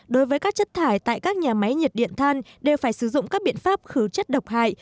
đối với các chất thải tại các nhà máy nhiệt điện than đều phải sử dụng các biện pháp khử chất độc hại